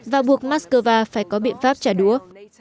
và buộc moscow phải có biện pháp trả đũa